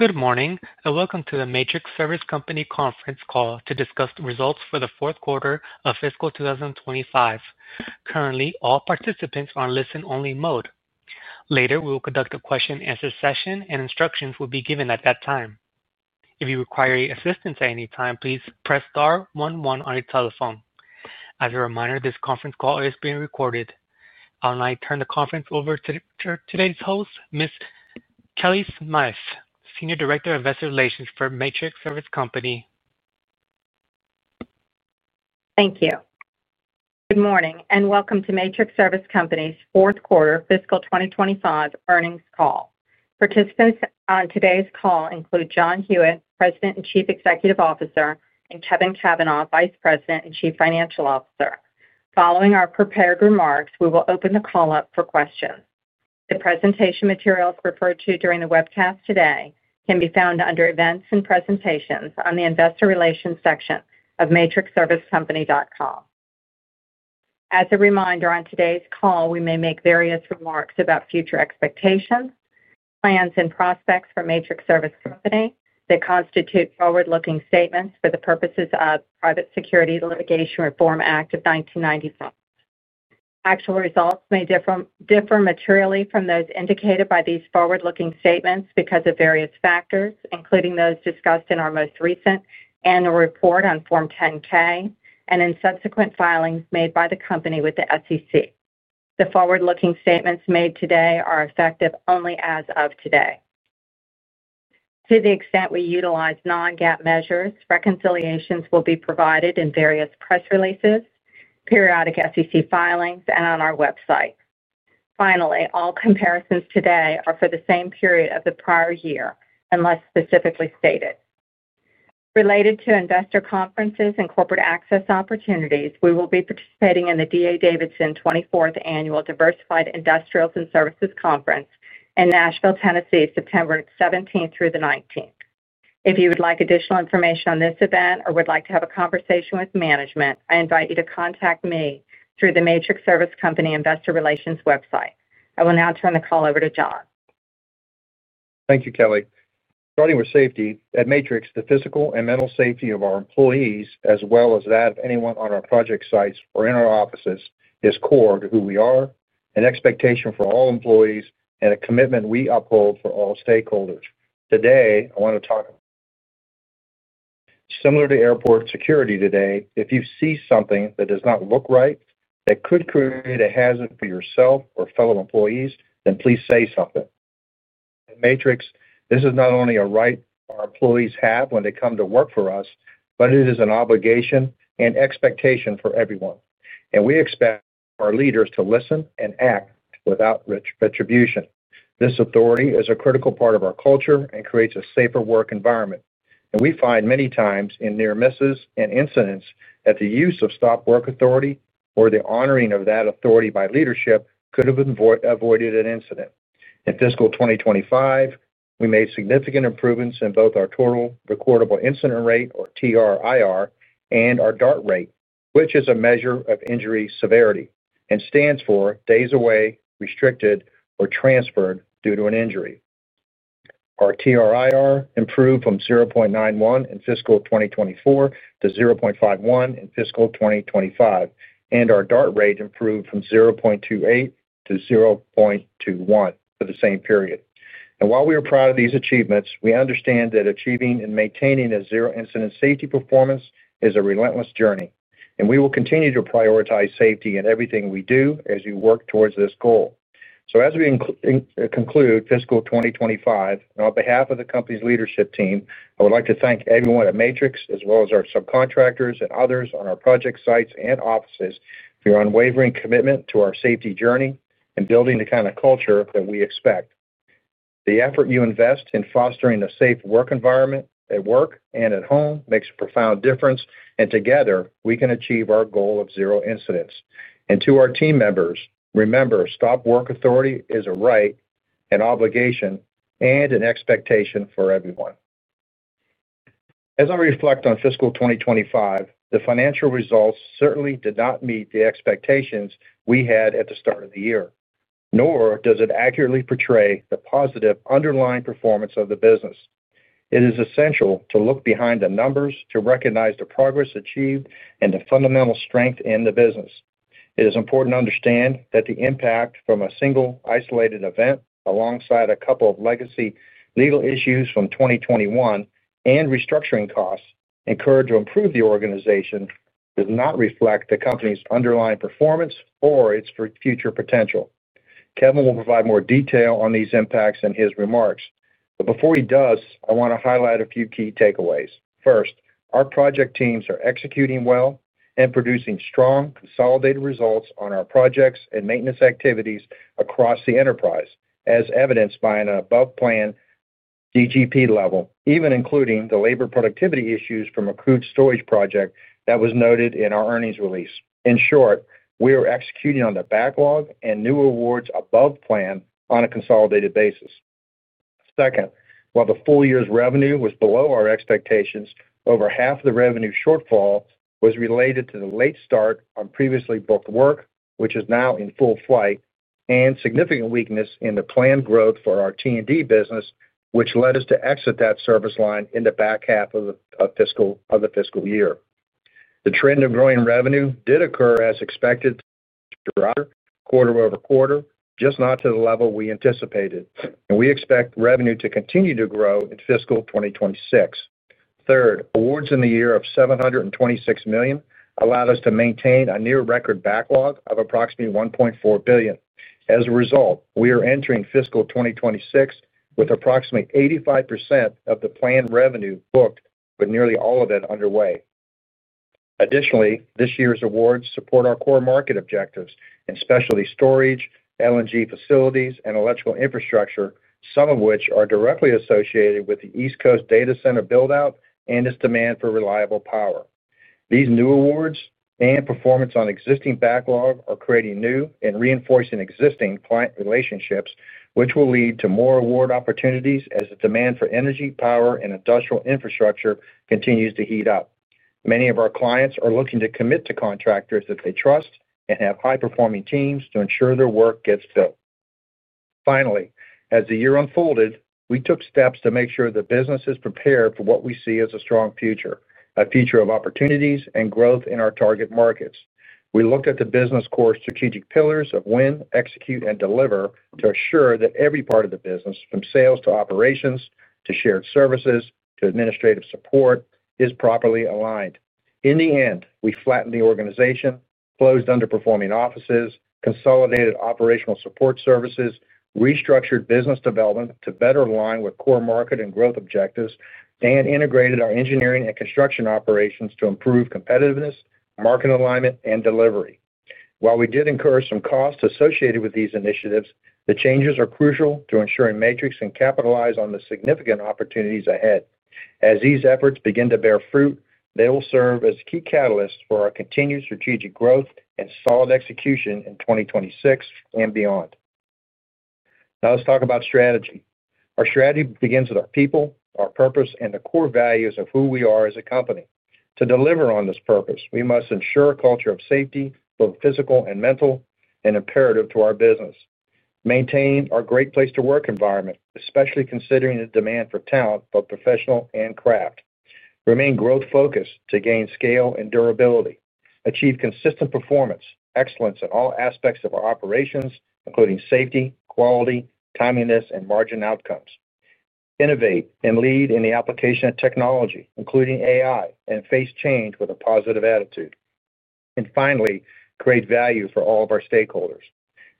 Good morning. Welcome to the Matrix Service Company conference call to discuss the results for the fourth quarter of fiscal 2025. Currently, all participants are in listen-only mode. Later, we will conduct a question-and-answer session, and instructions will be given at that time. If you require any assistance at any time, please press star one-one on your telephone. As a reminder, this conference call is being recorded. I will now turn the conference over to today's host, Ms. Kellie Smythe, Senior Director of Investor Relations for Matrix Service Company. Thank you. Good morning and welcome to Matrix Service Company's fourth quarter fiscal 2025 earnings call. Participants on today's call include John Hewitt, President and Chief Executive Officer, and Kevin Cavanah, Vice President and Chief Financial Officer. Following our prepared remarks, we will open the call up for questions. The presentation materials referred to during the webcast today can be found under Events and Presentations on the Investor Relations section of matrixservicecompany.com. As a reminder, on today's call, we may make various remarks about future expectations, plans, and prospects for Matrix Service Company that constitute forward-looking statements for the purposes of the Private Securities Litigation Reform Act of 1995. Actual results may differ materially from those indicated by these forward-looking statements because of various factors, including those discussed in our most recent annual report on Form 10-K and in subsequent filings made by the company with the SEC. The forward-looking statements made today are effective only as of today. To the extent we utilize non-GAAP measures, reconciliations will be provided in various press releases, periodic SEC filings, and on our website. Finally, all comparisons today are for the same period of the prior year unless specifically stated. Related to investor conferences and corporate access opportunities, we will be participating in the D.A. Davidson 24th Annual Diversified Industrials and Services Conference in Nashville, Tennessee, September 17th through the 19th. If you would like additional information on this event or would like to have a conversation with management, I invite you to contact me through the Matrix Service Company Investor Relations website. I will now turn the call over to John. Thank you, Kellie. Starting with safety, at Matrix, the physical and mental safety of our employees, as well as that of anyone on our project sites or in our offices, is core to who we are, an expectation for all employees, and a commitment we uphold for all stakeholders. Today, I want to talk about, similar to airport security today, if you see something that does not look right, that could create a hazard for yourself or fellow employees, then please say something. At Matrix, this is not only a right our employees have when they come to work for us, but it is an obligation and expectation for everyone. We expect our leaders to listen and act without retribution. This authority is a critical part of our culture and creates a safer work environment. We find many times in near-misses and incidents that the use of stop-work authority or the honoring of that authority by leadership could have avoided an incident. In fiscal 2025, we made significant improvements in both our Total Recordable Incident Rate, or TRIR, and our DART rate, which is a measure of injury severity and stands for days away, restricted, or transferred due to an injury. Our TRIR improved from 0.91 in fiscal 2024 to 0.51 in fiscal 2025. Our DART rate improved from 0.28 to 0.21 for the same period. While we are proud of these achievements, we understand that achieving and maintaining a zero-incident safety performance is a relentless journey. We will continue to prioritize safety in everything we do as we work towards this goal. As we conclude fiscal 2025, on behalf of the company's leadership team, I would like to thank everyone at Matrix, as well as our subcontractors and others on our project sites and offices, for your unwavering commitment to our safety journey and building the kind of culture that we expect. The effort you invest in fostering a safe work environment at work and at home makes a profound difference, and together we can achieve our goal of zero incidents. To our team members, remember, stop-work authority is a right, an obligation, and an expectation for everyone. As I reflect on fiscal 2025, the financial results certainly did not meet the expectations we had at the start of the year, nor does it accurately portray the positive underlying performance of the business. It is essential to look behind the numbers to recognize the progress achieved and the fundamental strength in the business. It is important to understand that the impact from a single isolated event, alongside a couple of legacy legal issues from 2021 and restructuring costs, encouraged to improve the organization, does not reflect the company's underlying performance or its future potential. Kevin will provide more detail on these impacts in his remarks. Before he does, I want to highlight a few key takeaways. First, our project teams are executing well and producing strong, consolidated results on our projects and maintenance activities across the enterprise, as evidenced by an above-plan direct gross profit level, even including the labor productivity issues from a crude storage project that was noted in our earnings release. In short, we are executing on the backlog and new awards above plan on a consolidated basis. Second, while the full year's revenue was below our expectations, over half of the revenue shortfall was related to the late start on previously booked work, which is now in full flight, and significant weakness in the planned growth for our T&D service line, which led us to exit that service line in the back half of the fiscal year. The trend of growing revenue did occur as expected, quarter over quarter, just not to the level we anticipated. We expect revenue to continue to grow in fiscal 2026. Third, awards in the year of $726 million allowed us to maintain a near-record backlog of approximately $1.4 billion. As a result, we are entering fiscal 2026 with approximately 85% of the planned revenue booked, but nearly all of it underway. Additionally, this year's awards support our core market objectives, especially storage, LNG facilities, and electrical infrastructure, some of which are directly associated with the East Coast data center buildout and its demand for reliable power. These new awards and performance on existing backlog are creating new and reinforcing existing client relationships, which will lead to more award opportunities as the demand for energy, power, and industrial infrastructure continues to heat up. Many of our clients are looking to commit to contractors that they trust and have high-performing teams to ensure their work gets built. Finally, as the year unfolded, we took steps to make sure the business is prepared for what we see as a strong future, a future of opportunities and growth in our target markets. We looked at the business core strategic pillars of win, execute, and deliver to assure that every part of the business, from sales to operations, to shared services, to administrative support, is properly aligned. In the end, we flattened the organization, closed underperforming offices, consolidated operational support services, restructured business development to better align with core market and growth objectives, and integrated our engineering and construction operations to improve competitiveness, market alignment, and delivery. While we did incur some costs associated with these initiatives, the changes are crucial to ensuring Matrix Service Company can capitalize on the significant opportunities ahead. As these efforts begin to bear fruit, they will serve as key catalysts for our continued strategic growth and solid execution in 2026 and beyond. Now let's talk about strategy. Our strategy begins with our people, our purpose, and the core values of who we are as a company. To deliver on this purpose, we must ensure a culture of safety, both physical and mental, an imperative to our business. Maintain our great place-to-work environment, especially considering the demand for talent, both professional and craft. Remain growth-focused to gain scale and durability. Achieve consistent performance, excellence in all aspects of our operations, including safety, quality, timeliness, and margin outcomes. Innovate and lead in the application of technology, including AI, and face change with a positive attitude. Finally, create value for all of our stakeholders.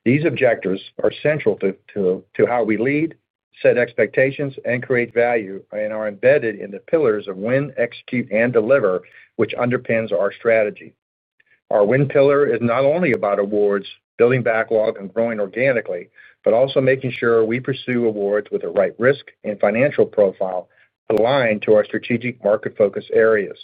These objectives are central to how we lead, set expectations, and create value, and are embedded in the pillars of win, execute, and deliver, which underpins our strategy. Our win pillar is not only about awards, building backlog, and growing organically, but also making sure we pursue awards with the right risk and financial profile aligned to our strategic market focus areas.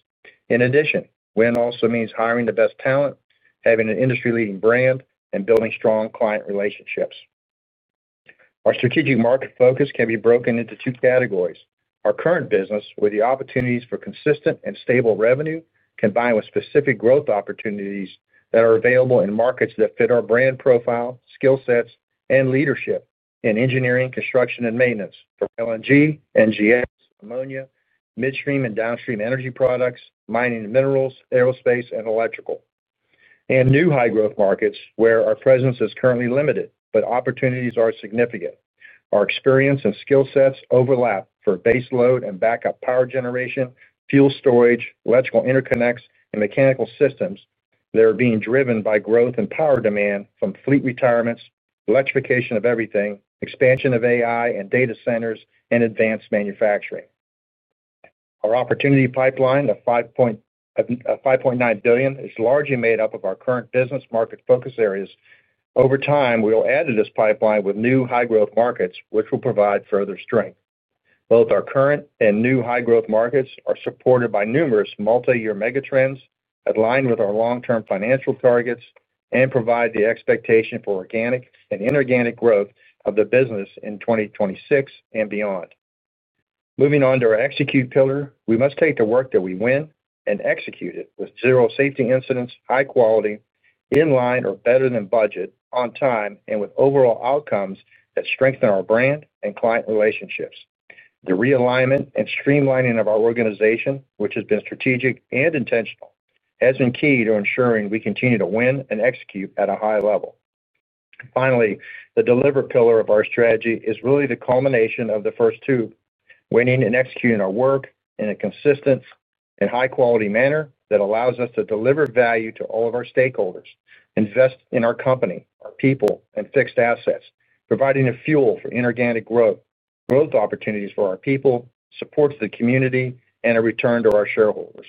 In addition, win also means hiring the best talent, having an industry-leading brand, and building strong client relationships. Our strategic market focus can be broken into two categories. Our current business, with the opportunities for consistent and stable revenue, combined with specific growth opportunities that are available in markets that fit our brand profile, skill sets, and leadership in engineering, construction, and maintenance for LNG storage, NGL storage, ammonia storage, midstream and downstream energy products, mining and minerals, aerospace, and electrical. New high-growth markets where our presence is currently limited, but opportunities are significant. Our experience and skill sets overlap for base load and backup power generation, fuel storage, electrical interconnects, and mechanical systems that are being driven by growth and power demand from fleet retirements, electrification of everything, expansion of AI and data centers, and advanced manufacturing projects. Our opportunity pipeline of $5.9 billion is largely made up of our current business market focus areas. Over time, we'll add to this pipeline with new high-growth markets, which will provide further strength. Both our current and new high-growth markets are supported by numerous multi-year megatrends that align with our long-term financial targets and provide the expectation for organic and inorganic growth of the business in 2026 and beyond. Moving on to our execute pillar, we must take the work that we win and execute it with zero safety incidents, high quality, in line or better than budget, on time, and with overall outcomes that strengthen our brand and client relationships. The realignment and streamlining of our organization, which has been strategic and intentional, has been key to ensuring we continue to win and execute at a high level. Finally, the deliver pillar of our strategy is really the culmination of the first two. Winning and executing our work in a consistent and high-quality manner that allows us to deliver value to all of our stakeholders, invest in our company, our people, and fixed assets, providing a fuel for inorganic growth, growth opportunities for our people, support to the community, and a return to our shareholders.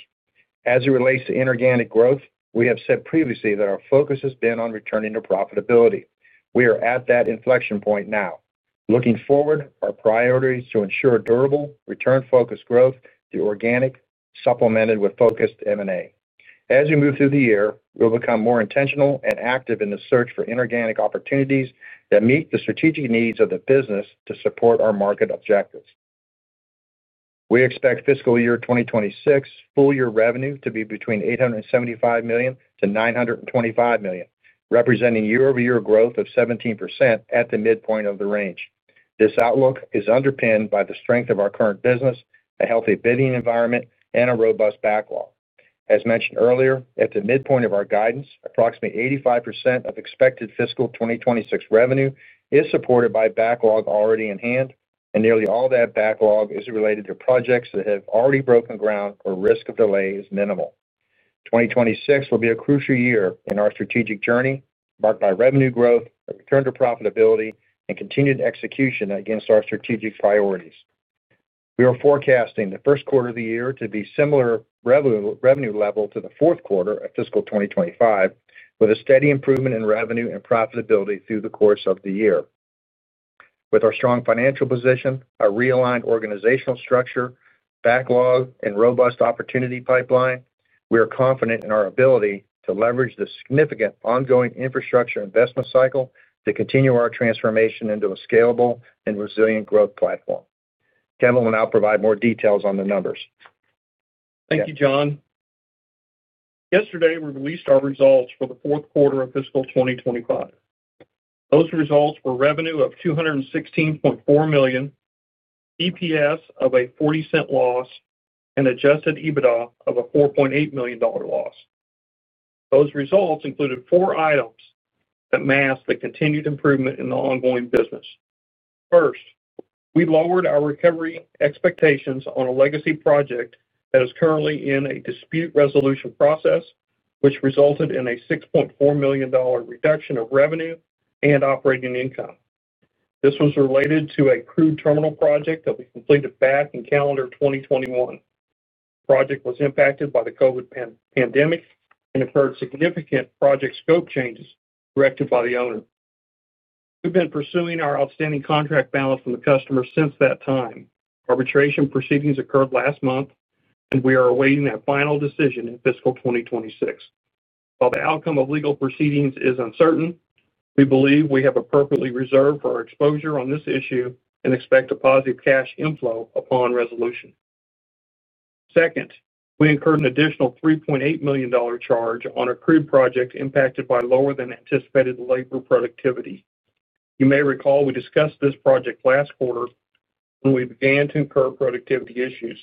As it relates to inorganic growth, we have said previously that our focus has been on returning to profitability. We are at that inflection point now. Looking forward, our priority is to ensure durable, return-focused growth through organic, supplemented with focused M&A. As we move through the year, we'll become more intentional and active in the search for inorganic opportunities that meet the strategic needs of the business to support our market objectives. We expect fiscal year 2026 full-year revenue to be between $875 million to $925 million, representing year-over-year growth of 17% at the midpoint of the range. This outlook is underpinned by the strength of our current business, a healthy bidding environment, and a robust backlog. As mentioned earlier, at the midpoint of our guidance, approximately 85% of expected fiscal 2026 revenue is supported by backlog already in hand, and nearly all that backlog is related to projects that have already broken ground or risk of delay is minimal. 2026 will be a crucial year in our strategic journey, marked by revenue growth, return to profitability, and continued execution against our strategic priorities. We are forecasting the first quarter of the year to be similar revenue level to the fourth quarter of fiscal 2025, with a steady improvement in revenue and profitability through the course of the year. With our strong financial position, a realigned organizational structure, backlog, and robust opportunity pipeline, we are confident in our ability to leverage the significant ongoing infrastructure investment cycle to continue our transformation into a scalable and resilient growth platform. Kevin will now provide more details on the numbers. Thank you, John. Yesterday, we released our results for the fourth quarter of fiscal 2025. Those results were revenue of $216.4 million, EPS of a $0.40 loss, and adjusted EBITDA of a $4.8 million loss. Those results included four items that masked the continued improvement in the ongoing business. First, we lowered our recovery expectations on a legacy project that is currently in a dispute resolution process, which resulted in a $6.4 million reduction of revenue and operating income. This was related to a crude terminal project that we completed back in calendar 2021. The project was impacted by the COVID pandemic and incurred significant project scope changes directed by the owner. We've been pursuing our outstanding contract balance from the customer since that time. Arbitration proceedings occurred last month, and we are awaiting that final decision in fiscal 2026. While the outcome of legal proceedings is uncertain, we believe we have appropriately reserved for our exposure on this issue and expect a positive cash inflow upon resolution. Second, we incurred an additional $3.8 million charge on a crude project impacted by lower than anticipated labor productivity. You may recall we discussed this project last quarter when we began to incur productivity issues.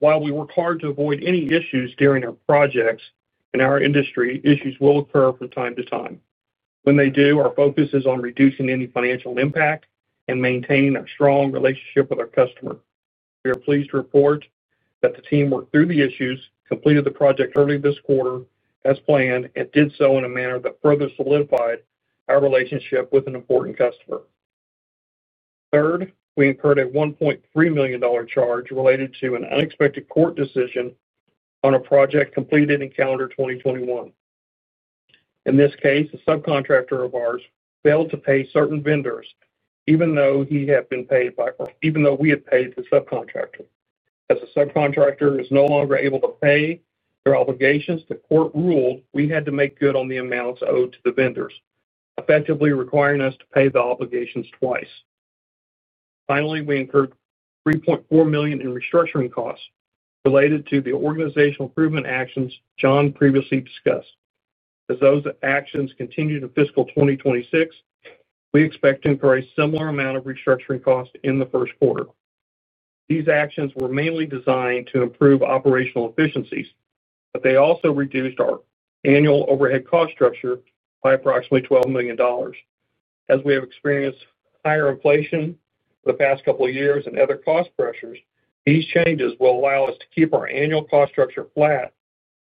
While we work hard to avoid any issues during our projects, in our industry, issues will occur from time to time. When they do, our focus is on reducing any financial impact and maintaining a strong relationship with our customer. We are pleased to report that the team worked through the issues, completed the project early this quarter as planned, and did so in a manner that further solidified our relationship with an important customer. Third, we incurred a $1.3 million charge related to an unexpected court decision on a project completed in calendar 2021. In this case, a subcontractor of ours failed to pay certain vendors, even though we had paid the subcontractor. As a subcontractor is no longer able to pay their obligations, the court ruled we had to make good on the amounts owed to the vendors, effectively requiring us to pay the obligations twice. Finally, we incurred $3.4 million in restructuring costs related to the organizational improvement actions John previously discussed. As those actions continue to fiscal 2026, we expect to incur a similar amount of restructuring costs in the first quarter. These actions were mainly designed to improve operational efficiencies, but they also reduced our annual overhead cost structure by approximately $12 million. As we have experienced higher inflation for the past couple of years and other cost pressures, these changes will allow us to keep our annual cost structure flat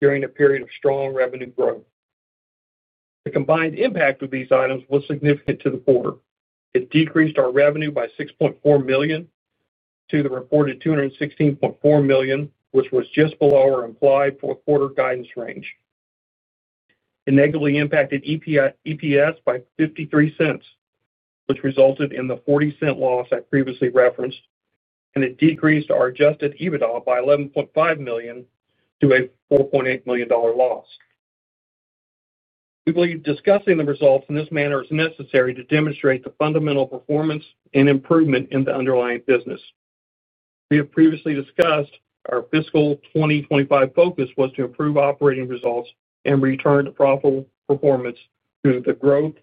during a period of strong revenue growth. The combined impact of these items was significant to the quarter. It decreased our revenue by $6.4 million to the reported $216.4 million, which was just below our implied fourth quarter guidance range. It negatively impacted EPS by $0.53, which resulted in the $0.40 loss I previously referenced, and it decreased our adjusted EBITDA by $11.5 million to a $4.8 million loss. We believe discussing the results in this manner is necessary to demonstrate the fundamental performance and improvement in the underlying business. We have previously discussed our fiscal 2025 focus was to improve operating results and return to profitable performance through the growth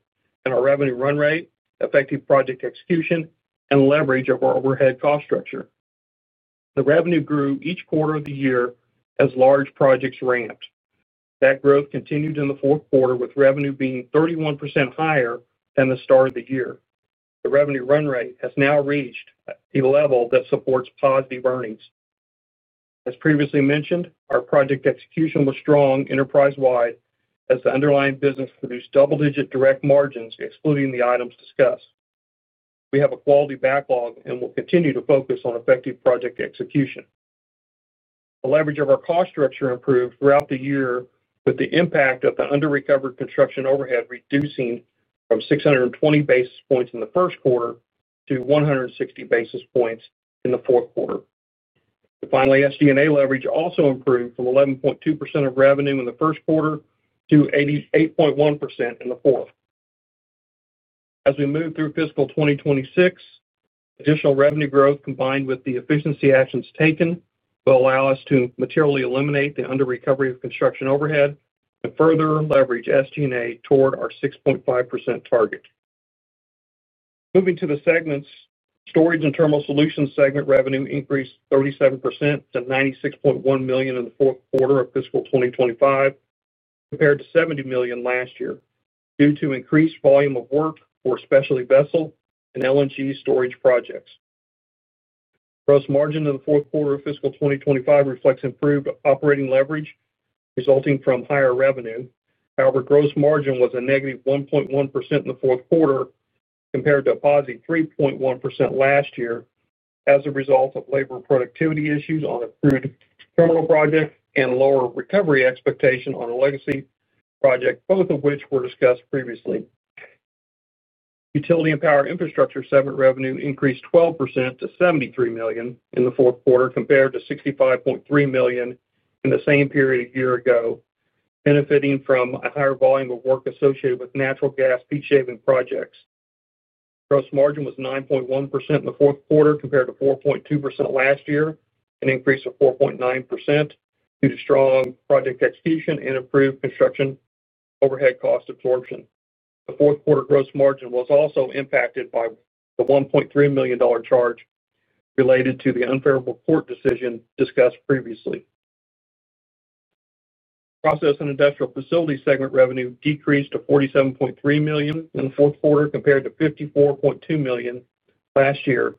in our revenue run rate, effective project execution, and leverage of our overhead cost structure. The revenue grew each quarter of the year as large projects ramped. That growth continued in the fourth quarter, with revenue being 31% higher than the start of the year. The revenue run rate has now reached a level that supports positive earnings. As previously mentioned, our project execution was strong enterprise-wide, as the underlying business produced double-digit direct margins, excluding the items discussed. We have a quality backlog and will continue to focus on effective project execution. The leverage of our cost structure improved throughout the year, with the impact of the under-recovered construction overhead reducing from 620 basis points in the first quarter to 160 basis points in the fourth quarter. The final SG&A leverage also improved from 11.2% of revenue in the first quarter to 8.1% in the fourth. As we move through fiscal 2026, additional revenue growth combined with the efficiency actions taken will allow us to materially eliminate the under-recovery of construction overhead and further leverage SG&A toward our 6.5% target. Moving to the segments, Storage and Terminal Solutions segment revenue increased 37% to $96.1 million in the fourth quarter of fiscal 2025, compared to $70 million last year due to increased volume of work for specialty vessel and LNG storage projects. Gross margin in the fourth quarter of fiscal 2025 reflects improved operating leverage resulting from higher revenue. However, gross margin was a negative 1.1% in the fourth quarter compared to a positive 3.1% last year as a result of labor productivity issues on a primitive terminal project and lower recovery expectation on a legacy project, both of which were discussed previously. Utility and power infrastructure segment revenue increased 12% to $73 million in the fourth quarter, compared to $65.3 million in the same period a year ago, benefiting from a higher volume of work associated with natural gas heat shaving projects. Gross margin was 9.1% in the fourth quarter, compared to 4.2% last year, an increase of 4.9% due to strong project execution and improved construction overhead cost absorption. The fourth quarter gross margin was also impacted by the $1.3 million charge related to the unfavorable court decision discussed previously. Process and industrial facility segment revenue decreased to $47.3 million in the fourth quarter, compared to $54.2 million last year,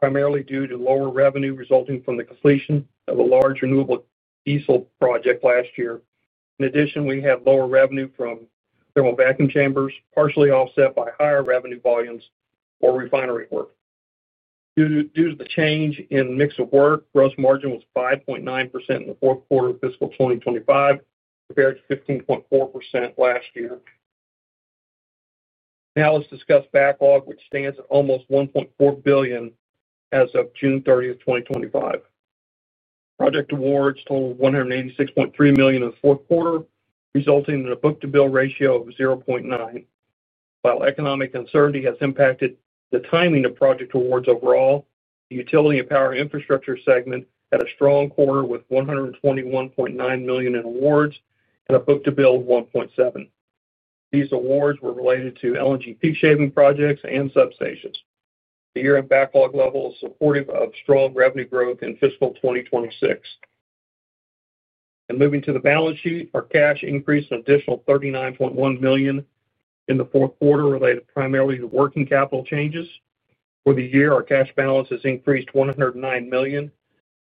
primarily due to lower revenue resulting from the completion of a large renewable diesel project last year. In addition, we have lower revenue from thermal vacuum chambers, partially offset by higher revenue volumes or refinery work. Due to the change in mix of work, gross margin was 5.9% in the fourth quarter of fiscal 2025, compared to 15.4% last year. Now let's discuss backlog, which stands at almost $1.4 billion as of June 30, 2025. Project awards totaled $186.3 million in the fourth quarter, resulting in a book-to-bill ratio of 0.9. While economic uncertainty has impacted the timing of project awards overall, the utility and power infrastructure segment had a strong quarter with $121.9 million in awards and a book-to-bill of 1.7. These awards were related to LNG heat shaving projects and substations. The year-end backlog level is supportive of strong revenue growth in fiscal 2026. Moving to the balance sheet, our cash increased an additional $39.1 million in the fourth quarter, related primarily to working capital changes. For the year, our cash balance has increased $109 million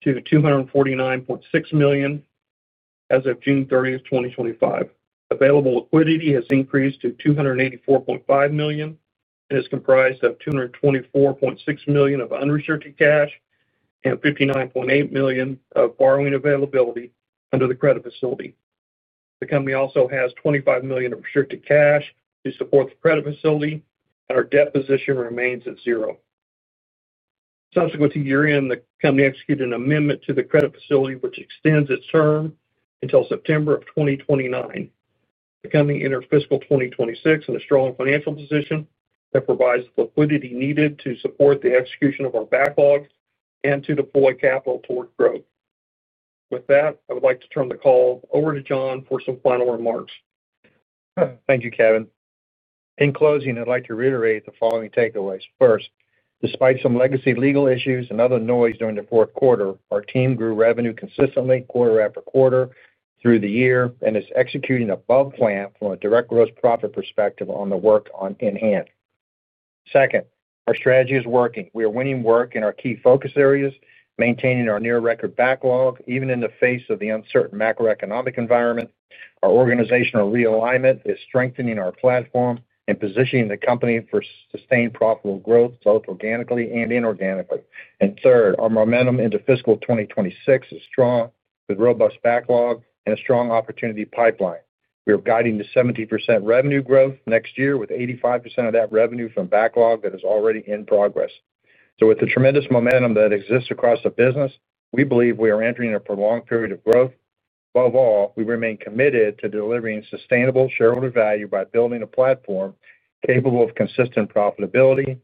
to $249.6 million as of June 30, 2025. Available liquidity has increased to $284.5 million and is comprised of $224.6 million of unrestricted cash and $59.8 million of borrowing availability under the credit facility. The company also has $25 million of restricted cash to support the credit facility, and our debt position remains at zero. Subsequent to year-end, the company executed an amendment to the credit facility, which extends its term until September of 2029. The company entered fiscal 2026 in a strong financial position that provides the liquidity needed to support the execution of our backlog and to deploy capital toward growth. With that, I would like to turn the call over to John for some final remarks. Thank you, Kevin. In closing, I'd like to reiterate the following takeaways. First, despite some legacy legal issues and other noise during the fourth quarter, our team grew revenue consistently quarter after quarter through the year and is executing above plan from a direct gross profit perspective on the work in hand. Second, our strategy is working. We are winning work in our key focus areas, maintaining our near-record backlog, even in the face of the uncertain macroeconomic environment. Our organizational realignment is strengthening our platform and positioning the company for sustained profitable growth, both organically and inorganically. Third, our momentum into fiscal 2026 is strong with a robust backlog and a strong opportunity pipeline. We are guiding to 70% revenue growth next year with 85% of that revenue from backlog that is already in progress. With the tremendous momentum that exists across the business, we believe we are entering a prolonged period of growth. Above all, we remain committed to delivering sustainable shareholder value by building a platform capable of consistent profitability,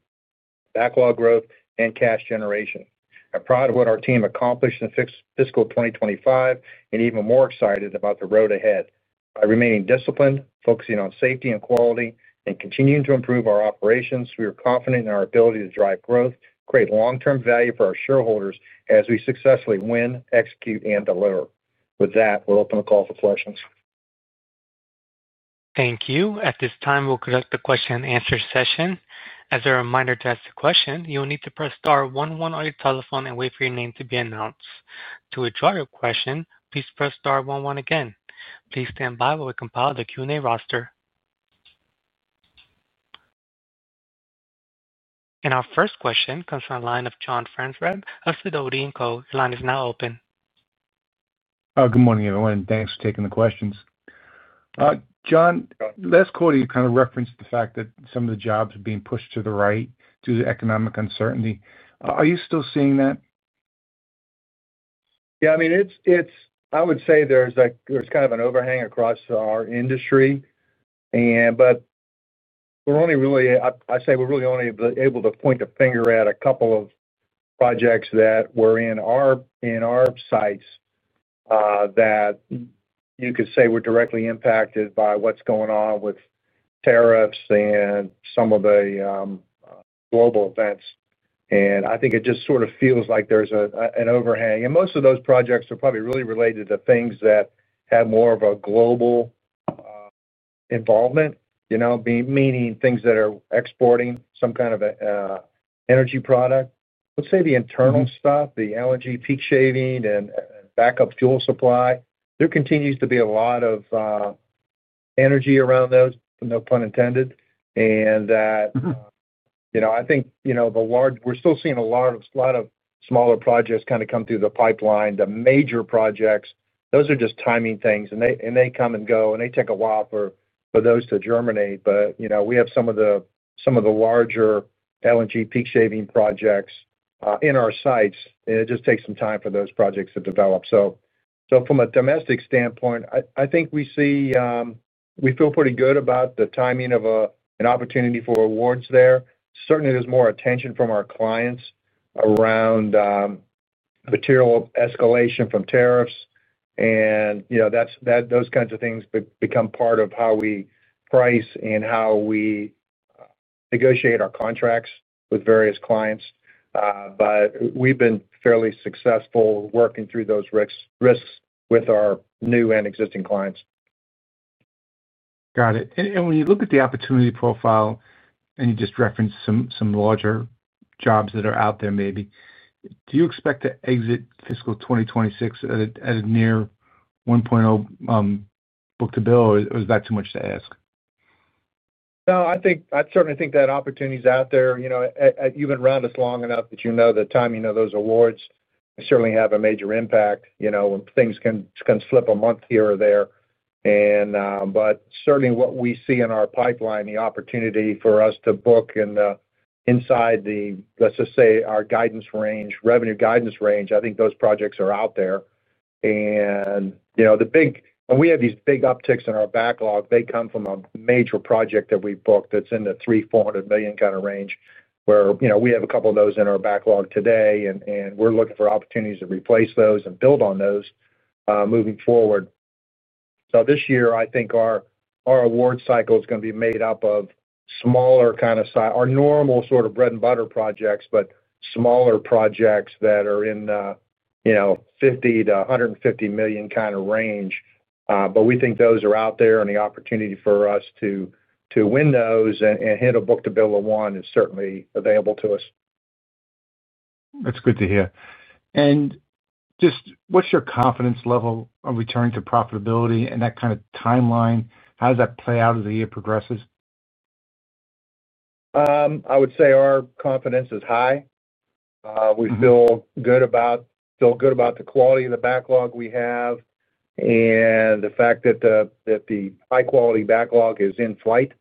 backlog growth, and cash generation. I'm proud of what our team accomplished in fiscal 2025 and even more excited about the road ahead. By remaining disciplined, focusing on safety and quality, and continuing to improve our operations, we are confident in our ability to drive growth, create long-term value for our shareholders as we successfully win, execute, and deliver. With that, we'll open the call for questions. Thank you. At this time, we'll conduct the question-and-answer session. As a reminder, to ask a question, you will need to press star one-one on your telephone and wait for your name to be announced. To withdraw your question, please press star one-one again. Please stand by while we compile the Q&A roster. Our first question comes from the line of John Franzreb of Sidoti & Company. Your line is now open. Good morning, everyone, and thanks for taking the questions. John, last quarter, you kind of referenced the fact that some of the jobs are being pushed to the right due to economic uncertainty. Are you still seeing that? Yeah, I mean, I would say there's kind of an overhang across our industry, but we're really only able to point a finger at a couple of projects that were in our sites that you could say were directly impacted by what's going on with tariffs and some of the global events. I think it just sort of feels like there's an overhang, and most of those projects are probably really related to things that have more of a global involvement, meaning things that are exporting some kind of an energy product. Let's say the internal stuff, the LNG heat shaving and backup fuel supply, there continues to be a lot of energy around those, no pun intended. I think the large, we're still seeing a lot of smaller projects kind of come through the pipeline. The major projects, those are just timing things, and they come and go, and they take a while for those to germinate. We have some of the larger LNG heat shaving projects in our sites, and it just takes some time for those projects to develop. From a domestic standpoint, I think we feel pretty good about the timing of an opportunity for awards there. Certainly, there's more attention from our clients around material escalation from tariffs, and those kinds of things become part of how we price and how we negotiate our contracts with various clients. We've been fairly successful working through those risks with our new and existing clients. Got it. When you look at the opportunity profile, and you just referenced some larger jobs that are out there, maybe, do you expect to exit fiscal 2026 at a near 1.0 book-to-bill, or is that too much to ask? No, I think I certainly think that opportunity is out there. You know, you've been around this long enough that you know the timing of those awards certainly have a major impact. When things can slip a month here or there, certainly what we see in our pipeline, the opportunity for us to book inside the, let's just say, our guidance range, revenue guidance range, I think those projects are out there. The big, and we have these big upticks in our backlog, they come from a major project that we booked that's in the $300-400 million kind of range, where we have a couple of those in our backlog today, and we're looking for opportunities to replace those and build on those moving forward. This year, I think our award cycle is going to be made up of smaller kind of size, our normal sort of bread-and-butter projects, but smaller projects that are in the $50 to $150 million kind of range. We think those are out there, and the opportunity for us to win those and handle book-to-bill of one is certainly available to us. That's good to hear. What's your confidence level on returning to profitability and that kind of timeline? How does that play out as the year progresses? I would say our confidence is high. We feel good about the quality of the backlog we have and the fact that the high-quality backlog is in flight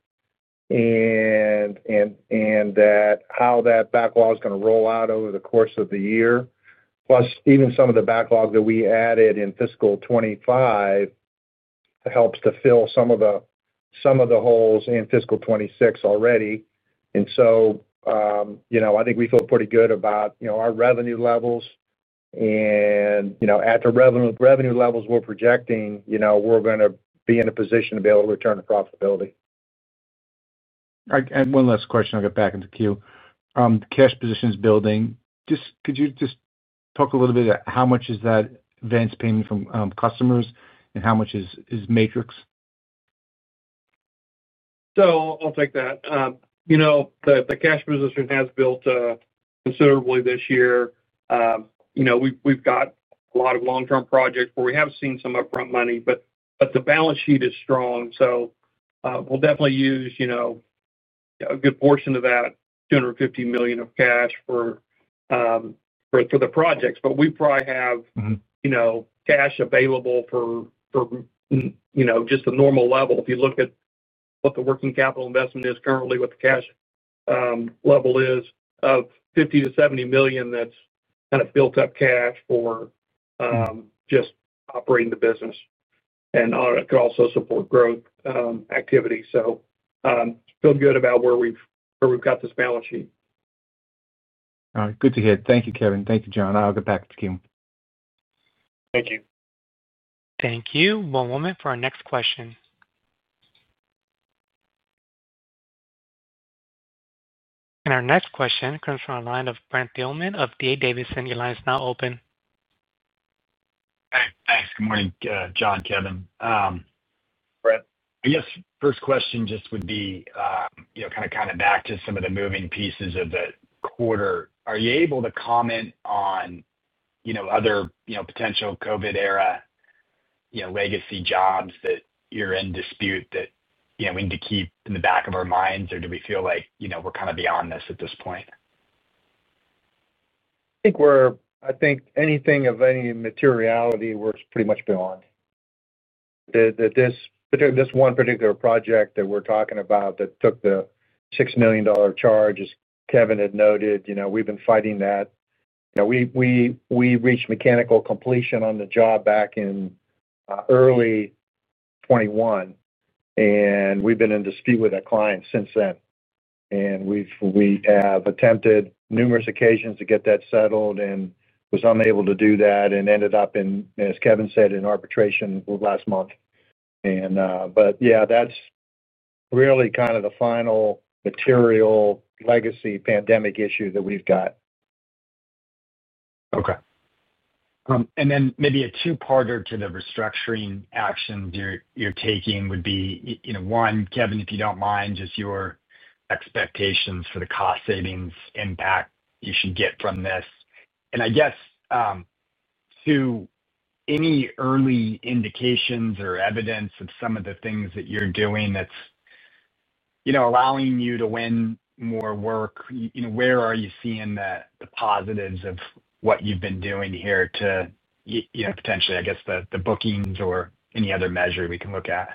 and how that backlog is going to roll out over the course of the year. Plus, even some of the backlog that we added in fiscal 2025 helps to fill some of the holes in fiscal 2026 already. I think we feel pretty good about our revenue levels. At the revenue levels we're projecting, we're going to be in a position to be able to return to profitability. All right. One last question. I'll get back into the queue. The cash position is building. Could you just talk a little bit about how much is that advance payment from customers and how much is Matrix? I'll take that. The cash position has built considerably this year. We've got a lot of long-term projects where we have seen some upfront money, but the balance sheet is strong. We'll definitely use a good portion of that $250 million of cash for the projects. We probably have cash available for just a normal level. If you look at what the working capital investment is currently, what the cash level is of $50 to $70 million, that's kind of built-up cash for just operating the business. It could also support growth activity. I feel good about where we've got this balance sheet. All right. Good to hear. Thank you, Kevin. Thank you, John. I'll get back to the queue. Thank you. Thank you. One moment for our next question. Our next question comes from a line of Brent Thielman of D.A. Davidson. Your line is now open. All right. Thanks. Good morning, John, Kevin. Brent. I guess first question just would be, you know, kind of back to some of the moving pieces of the quarter. Are you able to comment on, you know, other potential COVID-era legacy jobs that you're in dispute that we need to keep in the back of our minds, or do we feel like we're kind of beyond this at this point? I think anything of any materiality works pretty much beyond that. This one particular project that we're talking about that took the $6 million charge, as Kevin had noted, we've been fighting that. We reached mechanical completion on the job back in early 2021, and we've been in dispute with a client since then. We have attempted numerous occasions to get that settled and were unable to do that and ended up, as Kevin said, in arbitration last month. That's really kind of the final material legacy pandemic issue that we've got. Okay. Maybe a two-parter to the restructuring actions you're taking would be, you know, one, Kevin, if you don't mind, just your expectations for the cost savings impact you should get from this. I guess, two, any early indications or evidence of some of the things that you're doing that's, you know, allowing you to win more work? Where are you seeing the positives of what you've been doing here to, you know, potentially, I guess, the bookings or any other measure we can look at?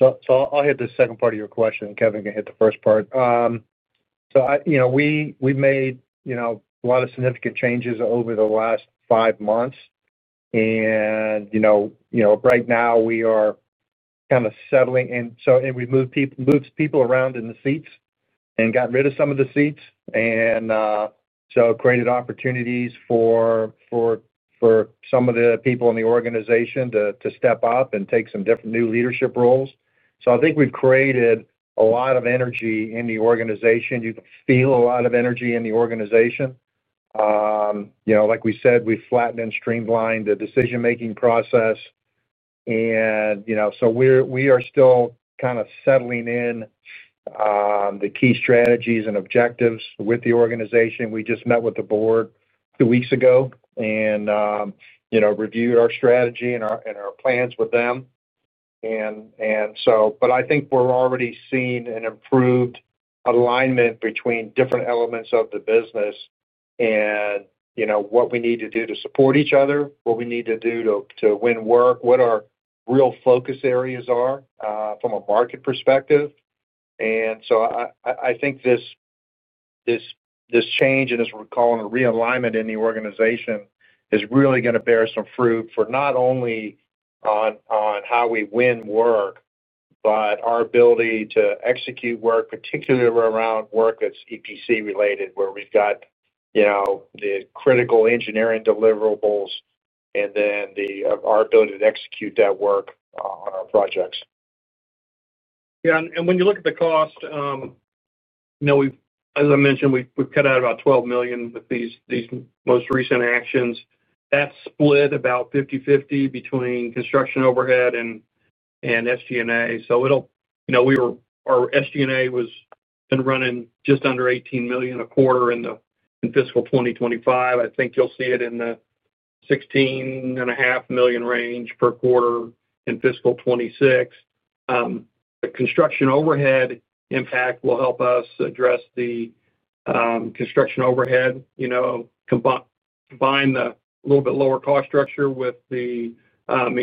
I'll hit the second part of your question, and Kevin can hit the first part. We've made a lot of significant changes over the last five months. Right now we are kind of settling in. We've moved people around in the seats and gotten rid of some of the seats, and created opportunities for some of the people in the organization to step up and take some different new leadership roles. I think we've created a lot of energy in the organization. You feel a lot of energy in the organization. Like we said, we've flattened and streamlined the decision-making process. We are still kind of settling in the key strategies and objectives with the organization. We just met with the board two weeks ago and reviewed our strategy and our plans with them. I think we're already seeing an improved alignment between different elements of the business and what we need to do to support each other, what we need to do to win work, what our real focus areas are from a market perspective. I think this change, and as we're calling a realignment in the organization, is really going to bear some fruit not only on how we win work, but our ability to execute work, particularly around work that's EPC related, where we've got the critical engineering deliverables and then our ability to execute that work on our projects. Yeah. When you look at the cost, we've, as I mentioned, cut out about $12 million with these most recent actions. That's split about 50/50 between construction overhead and SG&A. Our SG&A has been running just under $18 million a quarter in fiscal 2025. I think you'll see it in the $16.5 million range per quarter in fiscal 2026. The construction overhead impact will help us address the construction overhead, combine a little bit lower cost structure with the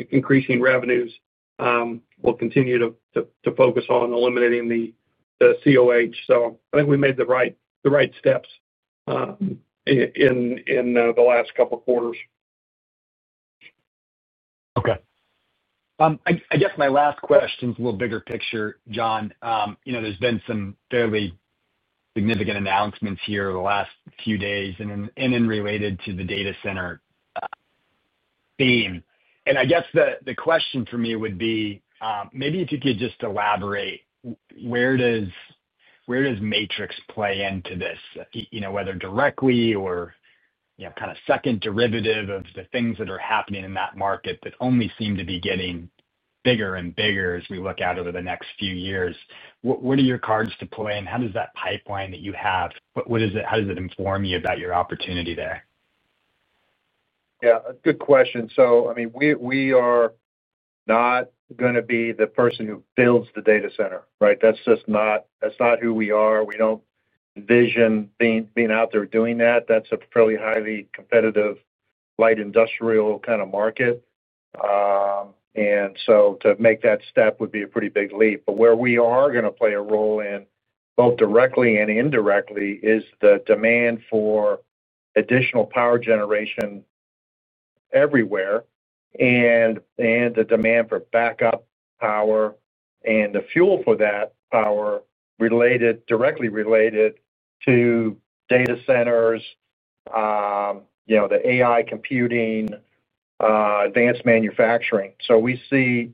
increasing revenues. We'll continue to focus on eliminating the COH. I think we made the right steps in the last couple of quarters. Okay. I guess my last question is a little bigger picture, John. You know, there's been some fairly significant announcements here in the last few days related to the data center theme. I guess the question for me would be, maybe if you could just elaborate, where does Matrix play into this, you know, whether directly or kind of second derivative of the things that are happening in that market that only seem to be getting bigger and bigger as we look out over the next few years? What are your cards to play and how does that pipeline that you have, what is it, how does it inform you about your opportunity there? Yeah, good question. I mean, we are not going to be the person who builds the data center, right? That's just not, that's not who we are. We don't envision being out there doing that. That's a fairly highly competitive light industrial kind of market. To make that step would be a pretty big leap. Where we are going to play a role, both directly and indirectly, is the demand for additional power generation everywhere, and the demand for backup power and the fuel for that power related directly to data centers, the AI computing, advanced manufacturing. We see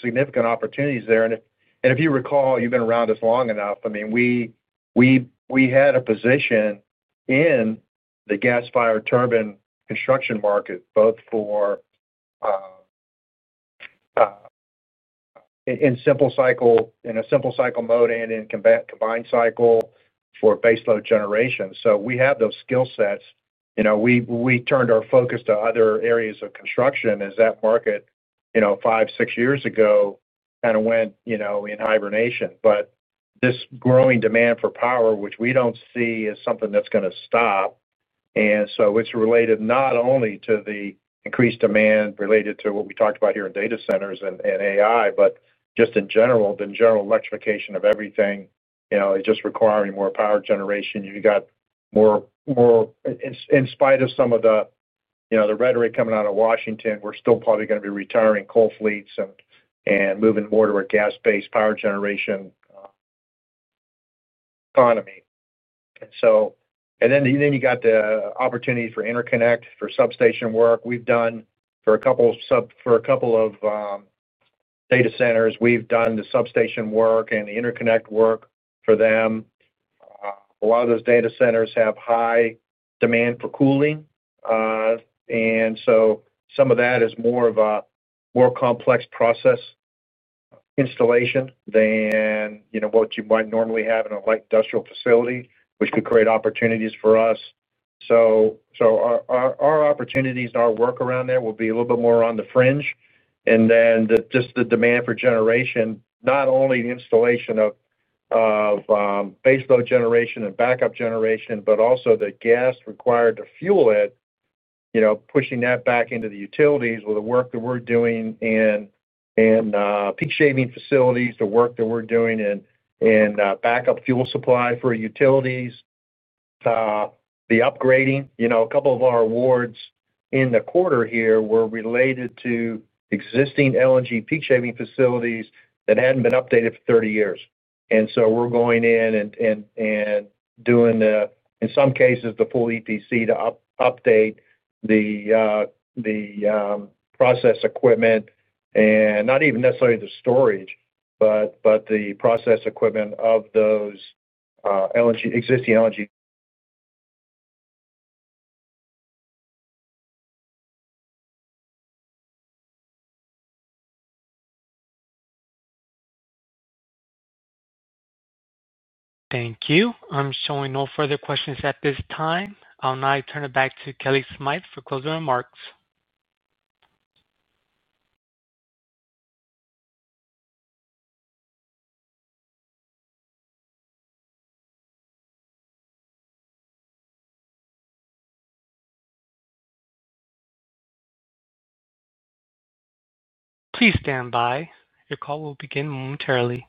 significant opportunities there. If you recall, you've been around this long enough, we had a position in the gas-fired turbine construction market, both in simple cycle mode and in combined cycle for base load generation. We have those skill sets. We turned our focus to other areas of construction as that market, five, six years ago, kind of went in hibernation. This growing demand for power, which we don't see as something that's going to stop, is related not only to the increased demand related to what we talked about here in data centers and AI, but just in general, the general electrification of everything. It's just requiring more power generation. You've got more, more in spite of some of the rhetoric coming out of Washington, we're still probably going to be retiring coal fleets and moving more to a gas-based power generation economy. Then you have the opportunity for interconnect for substation work. We've done for a couple of data centers, we've done the substation work and the interconnect work for them. A lot of those data centers have high demand for cooling, and some of that is more of a more complex process installation than what you might normally have in a light industrial facility, which could create opportunities for us. Our opportunities and our work around there will be a little bit more on the fringe. The demand for generation, not only the installation of base load generation and backup generation, but also the gas required to fuel it, pushing that back into the utilities with the work that we're doing in heat shaving facilities, the work that we're doing in backup fuel supply for utilities, the upgrading. A couple of our awards in the quarter here were related to existing LNG heat shaving facilities that hadn't been updated for 30 years. We're going in and doing, in some cases, the full EPC to update the process equipment and not even necessarily the storage, but the process equipment of those existing LNG. Thank you. I'm showing no further questions at this time. I'll now turn it back to Kellie Smythe for closing remarks. Please stand by. Your call will begin momentarily.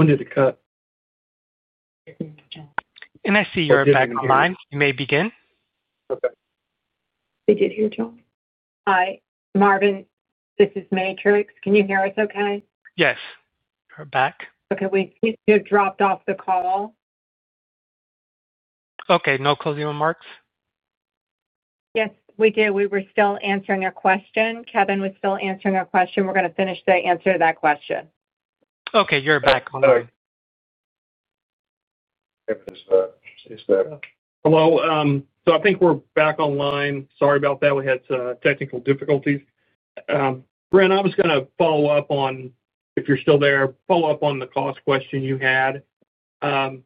I wanted to cut. I see you are back online. You may begin. Okay. We did hear John? Hi Marvin, this is Matrix. Can you hear us okay? Yes, we're back. Okay, we have dropped off the call. Okay. No closing remarks? Yes, we did. We were still answering a question. Kevin was still answering a question. We are going to finish the answer to that question. Okay, you're back online. Hey, Prince Smith. Hello. I think we're back online. Sorry about that. We had some technical difficulties. Brent, I was going to follow up on, if you're still there, follow up on the cost question you had. An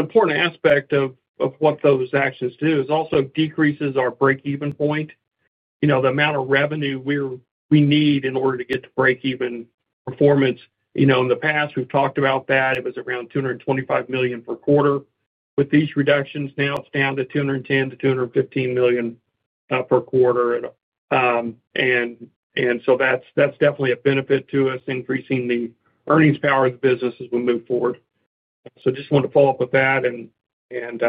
important aspect of what those actions do is also decreases our break-even point, the amount of revenue we need in order to get to break-even performance. In the past, we've talked about that. It was around $225 million per quarter. With these reductions, now it's down to $210 to $215 million per quarter. That's definitely a benefit to us, increasing the earnings power of the business as we move forward. I just wanted to follow up with that and turn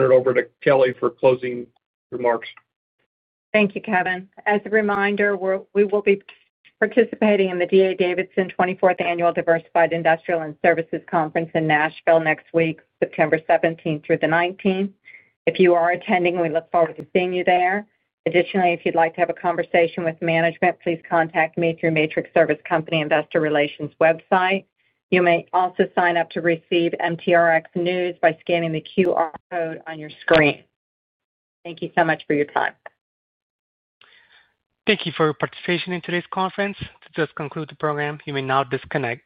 it over to Kellie for closing remarks. Thank you, Kevin. As a reminder, we will be participating in the D.A. Davidson 24th Annual Diversified Industrials and Services Conference in Nashville, Tennessee next week, September 17th through the 19th. If you are attending, we look forward to seeing you there. Additionally, if you'd like to have a conversation with management, please contact me through the Matrix Service Company Investor Relations website. You may also sign up to receive MTRX news by scanning the QR code on your screen. Thank you so much for your time. Thank you for your participation in today's conference. To conclude the program, you may now disconnect.